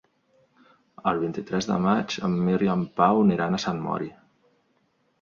El vint-i-tres de maig en Mirt i en Pau aniran a Sant Mori.